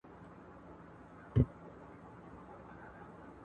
ولې ملي سوداګر طبي درمل له پاکستان څخه واردوي؟